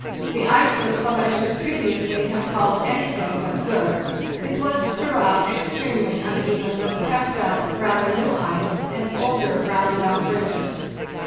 The ice was what I should previously have called anything but good; it was throughout extremely uneven, with pressed up, rather new ice, and older, rounded off ridges.